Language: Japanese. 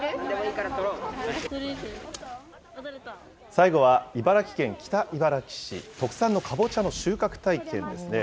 最後は茨城県北茨城市、特産のかぼちゃの収穫体験ですね。